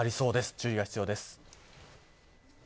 注意が必要です。